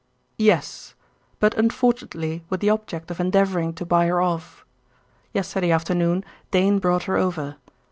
"Yes; but unfortunately with the object of endeavouring to buy her off. Yesterday afternoon Dane brought her over.